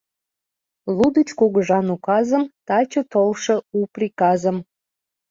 Лудыч кугыжан указым Таче толшо у приказым